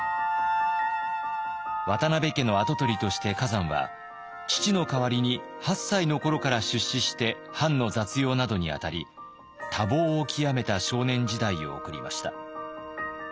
渡辺家の跡取りとして崋山は父の代わりに８歳の頃から出仕して藩の雑用などに当たり多忙を極めた少年時代を送りました。